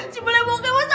si bule bokeh masa